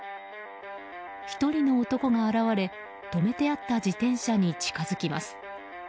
１人の男が現れ止めてあった自転車に近づきます。